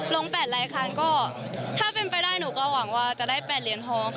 ๘รายการก็ถ้าเป็นไปได้หนูก็หวังว่าจะได้๘เหรียญทองค่ะ